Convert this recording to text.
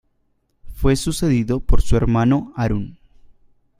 Fue sucedido por su hermano, Harun.